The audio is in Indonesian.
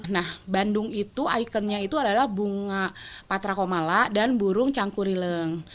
nah bandung itu ikonnya itu adalah bunga patra komala dan burung cangkurileng